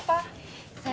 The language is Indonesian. apakah itu ini dari lo